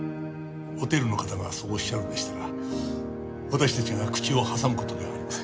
ホテルの方がそうおっしゃるんでしたら私たちが口を挟む事ではありません。